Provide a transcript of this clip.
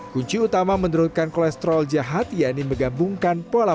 kunci utama menurunkan kolesterol jahat yaitu menggabungkan pola